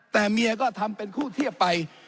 แต่เมียก็ทำเป็นคู่เทียบไป